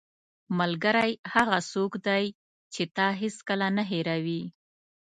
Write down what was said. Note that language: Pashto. ملګری هغه څوک دی چې تا هیڅکله نه هېروي.